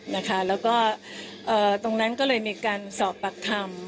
องค์ตรงนั้นกันเลยมีการสอบปรากฏรรม